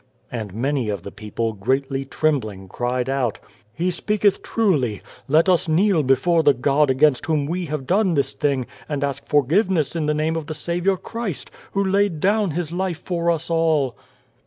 And many of the people, greatly trembling, cried out :" He speaketh truly. Let us kneel before the God against whom we have done this thing, and ask forgiveness in the name of the Saviour Christ, who laid down His life for us all!"